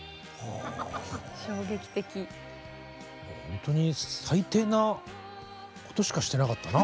ほんとに最低なことしかしてなかったな。